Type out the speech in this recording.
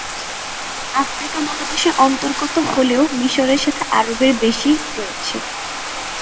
Africa মহাদেশের অন্তর্গত হলেও মিশরের সাথে আরবের বেশি রয়েছে।